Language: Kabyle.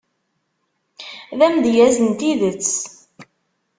D amedyaz n tidet.